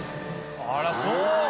あら、そう。